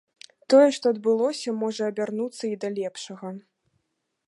Тое, што адбылося, можа абярнуцца і да лепшага.